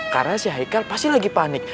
karena si haikal pasti lagi panik